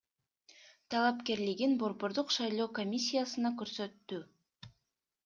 талапкерлигин Борбордук шайлоо комиссиясына көрсөттү.